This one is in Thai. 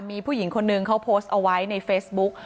มีผู้หญิงคนนึงเขาโพสต์เอาไว้ในเฟซบุ๊ก